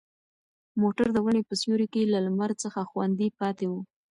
موټر د ونې په سیوري کې له لمر څخه خوندي پاتې و.